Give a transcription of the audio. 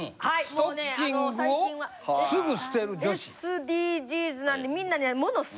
ＳＤＧｓなんでみんな。